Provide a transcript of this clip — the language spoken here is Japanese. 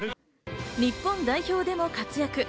日本代表でも活躍。